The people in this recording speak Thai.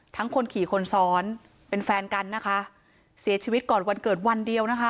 คนขี่คนซ้อนเป็นแฟนกันนะคะเสียชีวิตก่อนวันเกิดวันเดียวนะคะ